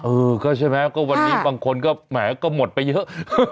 เออก็ใช่ไหมก็วันนี้บางคนก็แหมก็หมดไปเยอะ